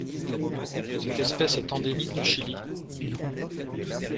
Cette espèce est endémique du Chili.